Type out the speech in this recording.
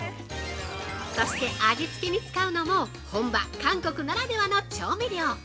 ◆そして味つけに使うのも本場韓国ならではの調味料。